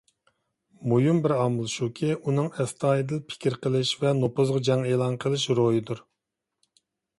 مۇھىم بىر ئامىل شۇكى، ئۇنىڭ ئەستايىدىل پىكىر قىلىش ۋە نوپۇزغا جەڭ ئېلان قىلىش روھىدۇر.